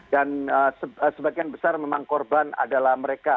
dan sebagian besar memang korban adalah mereka